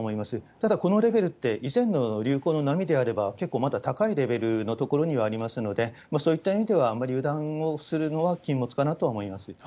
ただ、このレベルって、以前の流行の波であれば、結構まだ高いレベルのところにはありますので、そういった意味では、あんまり油断をするのは禁物かなと思います。